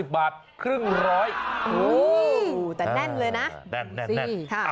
๕๐บาทครึ่งร้อยแต่แน่นเลยนะ